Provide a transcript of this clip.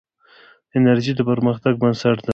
انرژي د پرمختګ بنسټ دی.